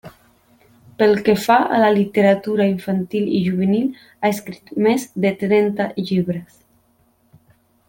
Pel que fa a la literatura infantil i juvenil ha escrit més de trenta llibres.